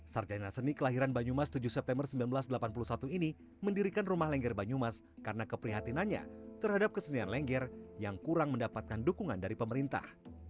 sarjana seni kelahiran banyumas tujuh september seribu sembilan ratus delapan puluh satu ini mendirikan rumah lengger banyumas karena keprihatinannya terhadap kesenian lengger yang kurang mendapatkan dukungan dari pemerintah